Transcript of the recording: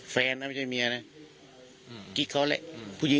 แฟนน่ะไม่ใช่เมียนะฮือคิดเขาแหละหือ